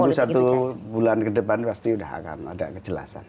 itu satu bulan ke depan pasti sudah akan ada kejelasan